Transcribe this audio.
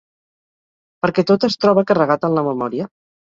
Perquè tot es troba carregat en la memòria.